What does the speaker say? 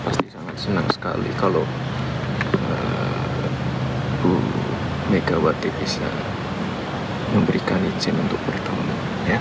pasti sangat senang sekali kalau bu megawati bisa memberikan izin untuk bertemu